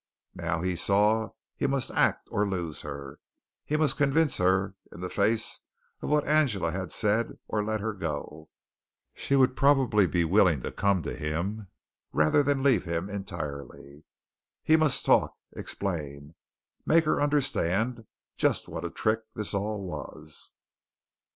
Now he saw he must act or lose her. He must convince her in the face of what Angela had said, or let her go. She would probably be willing to come to him rather than leave him entirely. He must talk, explain, make her understand just what a trick this all was.